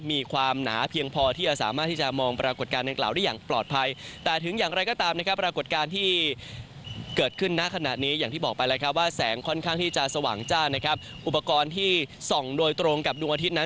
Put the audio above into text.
มีความหนาเพียงพอที่จะสามารถที่จะมองปรากฏการณ์ในกล่าวได้อย่างปลอดภัย